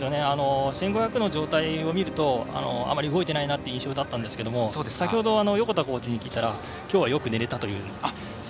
１５００の状態を見るとあんまり動いていないなっていう状況でしたが先ほど、横田コーチに聞いたらきょうはよく寝れたという。